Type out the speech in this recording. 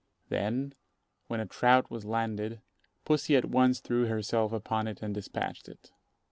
Then, when a trout was landed, pussy at once threw herself upon it and despatched it.